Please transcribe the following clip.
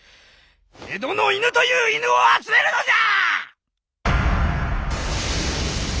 江戸の犬という犬を集めるのじゃ！